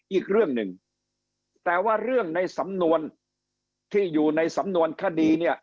อีกเรื่องหนึ่งแต่ว่าเรื่องในสำนวนที่อยู่ในสำนวนคดีเนี่ย